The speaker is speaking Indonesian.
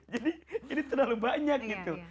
jadi ini terlalu banyak gitu